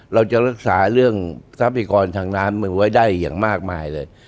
เราจะรักษาเรื่องทรัพยากรทางน้ำมือไว้ได้อย่างมากมายเลย